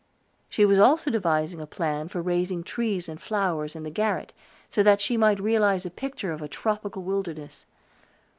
She was also devising a plan for raising trees and flowers in the garret, so that she might realize a picture of a tropical wilderness.